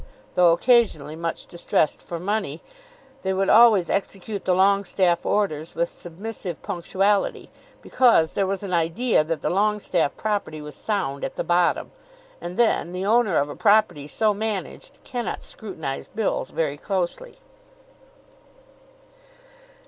Though occasionally much distressed for money, they would always execute the Longestaffe orders with submissive punctuality, because there was an idea that the Longestaffe property was sound at the bottom. And, then, the owner of a property so managed cannot scrutinise bills very closely.